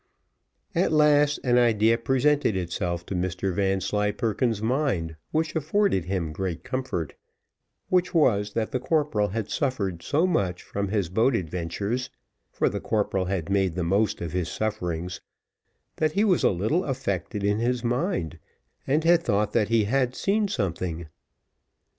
At last, an idea presented itself to Mr Vanslyperken's mind, which afforded him great comfort, which was, that the corporal had suffered so much from his boat adventures for the corporal had made the most of his sufferings that he was a little affected in his mind, and had thought that he had seen something.